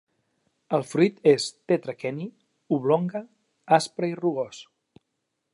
El fruit és tetraqueni, oblonga, aspre i rugós.